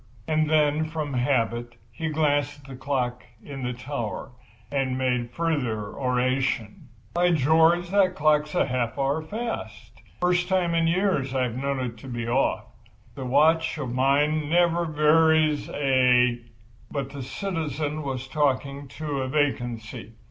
And then, from habit, he glanced at the clock in the tower, and made further oration. "By George! that clock's half an hour fast! First time in ten years I've known it to be off. This watch of mine never varies a—" But the citizen was talking to vacancy.